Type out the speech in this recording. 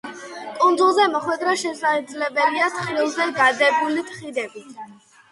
კუნძულზე მოხვედრა შესაძლებელია თხრილზე გადებული ხიდებით.